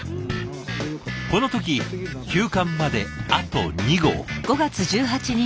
この時休刊まであと２号。